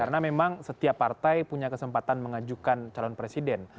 karena memang setiap partai punya kesempatan mengajukan calon presiden